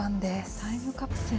タイムカプセル。